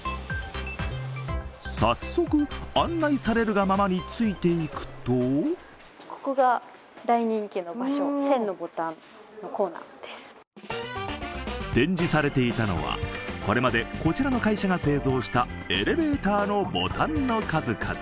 早速、案内されるがままについていくと展示されていたのは、これまでこちらの会社が製造したエレベーターのボタンの数々。